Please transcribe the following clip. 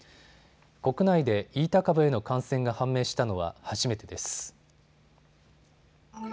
国内でイータ株への感染が判明したのは初めてです。